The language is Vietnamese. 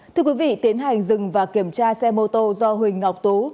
thưa quý vị tiến hành dừng và kiểm tra xe mô tô do huỳnh ngọc tú